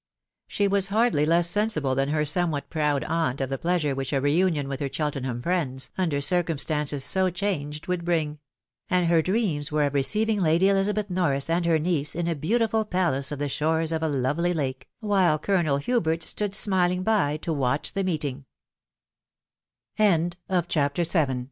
She was hardly less sensible than her somewhat proud aunt of the pleasure which a re union with her Cheltenham friends, under circumstances, so changed, would bring ; and her dreams were of receiving Lady Elizabeth Norris and her niece in a beauti ful palace on the shores of a lovely lake, while Colonel Hubert